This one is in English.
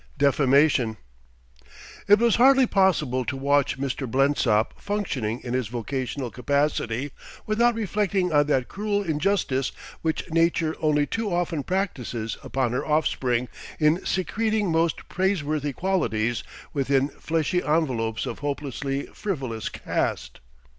XIV DEFAMATION It was hardly possible to watch Mr. Blensop functioning in his vocational capacity without reflecting on that cruel injustice which Nature only too often practises upon her offspring in secreting most praiseworthy qualities within fleshy envelopes of hopelessly frivolous cast.